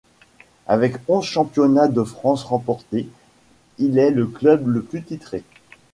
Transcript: Avec onze championnats de France remportés, il est le club le plus titré.